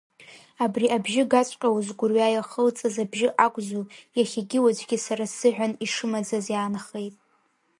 Абри абжьы гаҵәҟьоу сгәырҩа иахылҵыз абжьы акәзу, иахьагьы уаҵәгьы сара сзыҳәан ишымаӡаз иаанхеит.